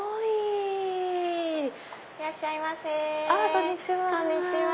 こんにちは。